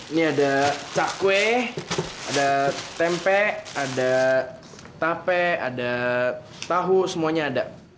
ini ada cakwe ada tempe ada tape ada tahu semuanya ada